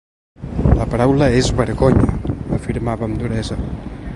La paraula és vergonya, afirmava amb duresa.